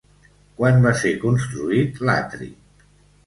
Quan va ser construït l'atri?